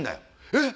えっ？